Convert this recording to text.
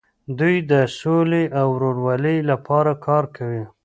دوی د سولې او ورورولۍ لپاره کار کوي.